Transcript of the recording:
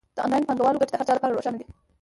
د انلاین بانکوالۍ ګټې د هر چا لپاره روښانه دي.